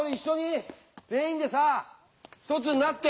全員でさ一つになって！